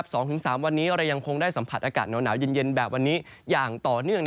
๒๓วันนี้เรายังคงได้สัมผัสอากาศหนาวเย็นแบบวันนี้อย่างต่อเนื่อง